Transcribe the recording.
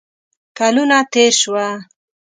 کلونه تیر شوه